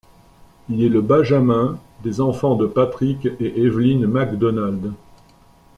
Il est le benjamin des enfants de Patrick et Evelyn MacDonald.